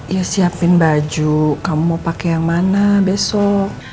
ya siapin baju kamu mau pakai yang mana besok